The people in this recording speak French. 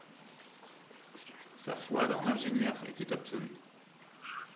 Sa foi dans l’ingénieur était absolue.